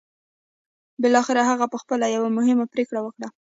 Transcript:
بالاخره هغه پخپله يوه مهمه پرېکړه وکړه.